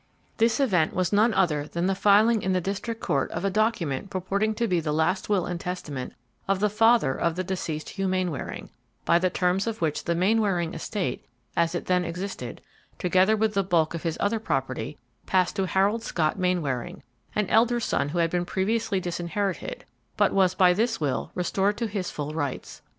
This event was none other than the filing in the district court of a document purporting to be the last will and testament of the father of the deceased Hugh Mainwaring, by the terms of which the Mainwaring estate, as it then existed, together with the bulk of his other property, passed to Harold Scott Mainwaring, an elder son who had been previously disinherited, but was by this will restored to his full rights.